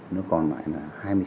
nó còn lại là hai mươi sáu ba